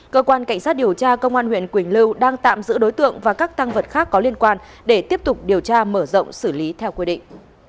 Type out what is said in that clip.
cơ quan cảnh sát điều tra công an huyện quỳnh lưu đang tạm giữ đối tượng và các tăng vật khác có liên quan để tiếp tục điều tra mở rộng xử lý theo quy định